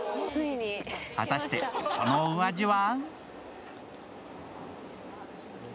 果たしてそのお味は？